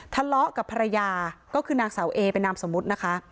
ทะเลาะกับภรรยาก็คือนางสาวเอเป็นนามสมมุตินะคะ